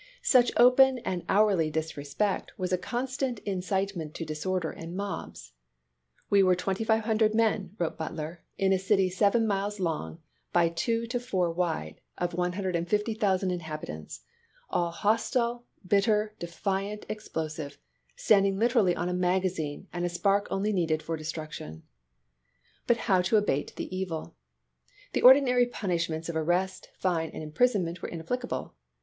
Such open and hourly NEW ORLEANS 281 disrespect was a constant incitement to disorder and mobs. "We were 2500 men," wrote Butler, "in a city seven miles long by two to four wide, of 150,000 inhabitants, all hostile, bitter, defiant, explo sive ; standing literally on a magazine, a spark only needed for destruction." But how abate the evil ! The ordinary punishments of arrest, fine, and im prisonment were inapplicable.